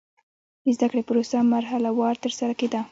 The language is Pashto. د زده کړې پروسه مرحله وار ترسره کېده.